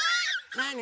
なに？